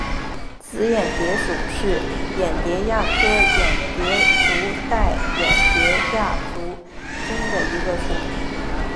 紫眼蝶属是眼蝶亚科眼蝶族黛眼蝶亚族中的一个属。